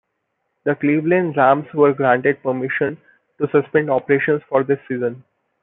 The Cleveland Rams were granted permission to suspend operations for this season.